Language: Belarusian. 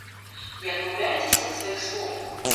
Не адмаўляецеся ад сваіх словаў?